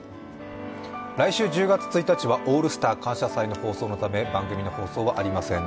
来週１０月１日は「オールスター感謝祭」の放送のため番組の放送はありません。